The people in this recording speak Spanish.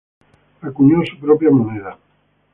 Acuñó su propia moneda.